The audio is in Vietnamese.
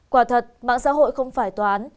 quả thật mạng xã hội không phải tòa án